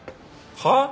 はあ？